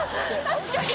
確かに。